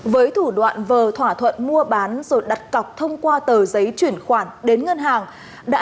với thủ đoạn vờ thỏa thuận mua bán rồi đặt cọc thông qua tờ giấy chuyển khoản đến ngân hàng